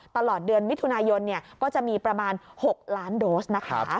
ตลอดเดือนมิถุนายนก็จะมีประมาณ๖ล้านโดสนะคะ